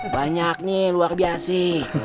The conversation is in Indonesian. banyaknya luar biasa